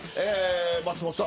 松本さん